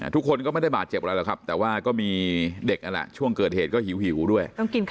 ทุกคนก็ไม่ได้บาดเจ็บอะไรหรอกครับแต่ว่าก็มีเด็กนั่นแหละช่วงเกิดเหตุก็หิวด้วย